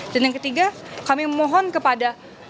dan yang ketiga kami memohon kepada